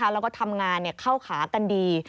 แล้วก็ทำงานเข้าขากันดี